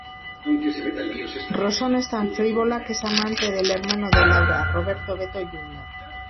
Rosana es tan frívola que es amante del hermano de Laura, Roberto "Beto" Jr.